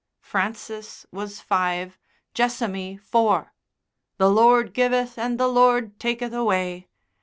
Francis was five, Jessamy four. 'The Lord giveth and the Lord taketh away.'